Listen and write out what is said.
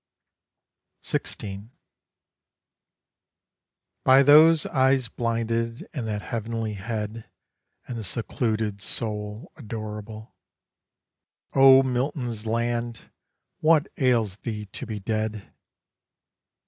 16 By those eyes blinded and that heavenly head And the secluded soul adorable, O Milton's land, what ails thee to be dead?